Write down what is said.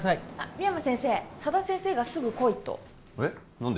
深山先生佐田先生がすぐ来いとえっ何で？